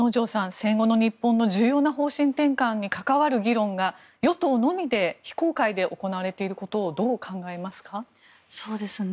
戦後の日本の重要な方針転換に関わる議論が与党のみで非公開で行われていることをどう考えますか。